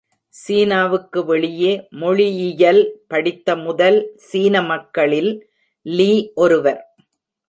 சீனாவுக்கு வெளியே மொழியியல் படித்த முதல் சீன மக்களில் லி ஒருவர்.